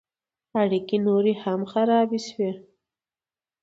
اړیکې نور هم خراب شوې.